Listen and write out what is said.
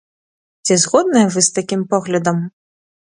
Ці згодныя вы з такім поглядам?